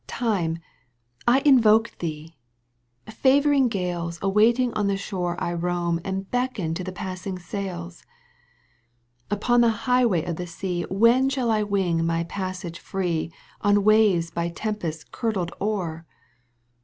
Time, I invoke thee ! favouring gales Awaiting on the shore I roam And beckon to the passing sails. Upon the highway of the sea When shall I wing my passage free On waves by tempests curdled o'er